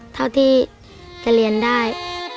เท่าที่จะเรียนได้